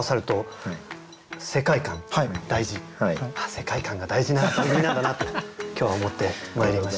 世界観が大事な番組なんだなと今日は思って参りました。